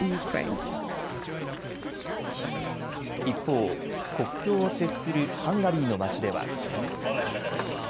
一方、国境を接するハンガリーの町では。